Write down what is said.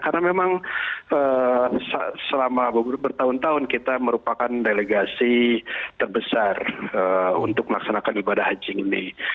karena memang selama bertahun tahun kita merupakan delegasi terbesar untuk melaksanakan ibadah haji ini